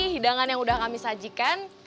hidangan yang sudah kami sajikan